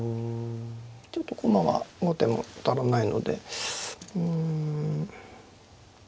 ちょっと駒が後手も足らないのでうん。